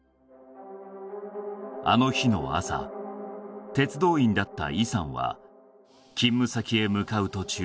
あの日の朝鉄道員だった李さんは勤務先へ向かう途中